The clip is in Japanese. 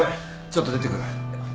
ちょっと出てくる。